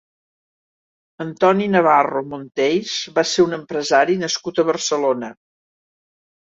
Antoni Navarro Monteys va ser un empresari nascut a Barcelona.